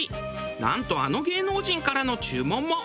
なんとあの芸能人からの注文も！